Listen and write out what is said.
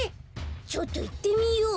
ちょっといってみよう。